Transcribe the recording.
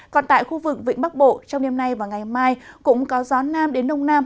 còn tại khu vực vịnh bắc bộ trong đêm nay và ngày mai cũng có gió nam đến đông nam